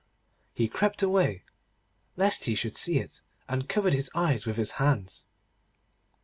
He crept away, lest he should see it, and covered his eyes with his hands.